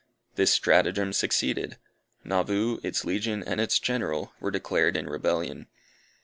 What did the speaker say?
This stratagem succeeded Nauvoo, its legion and its general, were declared in rebellion.